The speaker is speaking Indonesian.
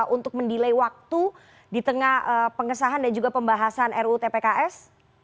untuk mendilai waktu di tengah pengesahan dan juga pembahasan rut pks